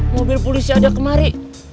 mobil polisi ada kemari